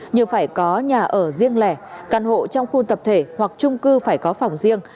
như phải có nhà ở riêng lẻ căn hộ trong khu tập thể hoặc trung cư phải có phòng riêng